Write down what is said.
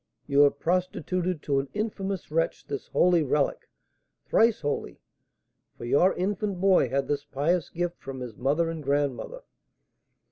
You have prostituted to an infamous wretch this holy relic, thrice holy, for your infant boy had this pious gift from his mother and grandmother!"